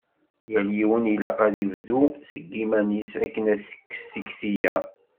Yal yiwen ilaq ad ibdu deg yiman-is akken ad tekkes tikti-ya.